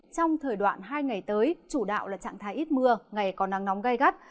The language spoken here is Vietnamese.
trong thời đoạn hai ngày tới chủ đạo là trạng thái ít mưa ngày có nắng nóng gai gắt